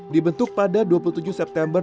dibentuk pada dua puluh tujuh september dua ribu lima